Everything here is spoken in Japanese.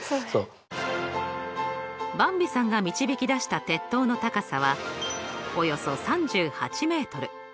ばんびさんが導き出した鉄塔の高さはおよそ３８ｍ。